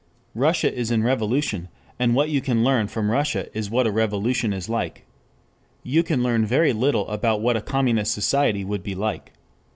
Russia is in revolution, and what you can learn from Russia is what a revolution is like. You can learn very little about what a communist society would be like.